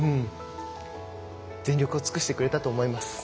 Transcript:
全力を尽くしてくれたと思います。